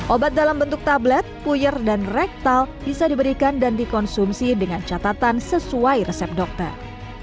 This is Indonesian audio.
obat dalam bentuk tablet puyer dan rektal bisa diberikan dan dikonsumsi dengan catatan sesuai resep dokter